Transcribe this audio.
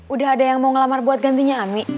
udah ada yang mau ngelamar buat gantinya ami